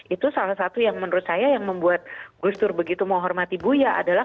itu salah satu yang menurut saya yang membuat gus dur begitu menghormati buya adalah